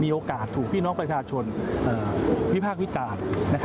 ที่มีโอกาสถูกพี่น้องประชาชนวิภาควิจารณ์